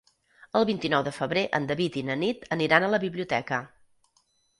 El vint-i-nou de febrer en David i na Nit aniran a la biblioteca.